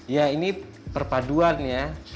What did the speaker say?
ya ini perpaduan ya